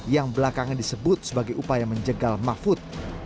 yang belakangan disebut sebagai upaya menjegal mahfud